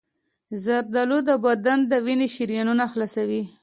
زردآلو د بدن د وینې شریانونه خلاصوي.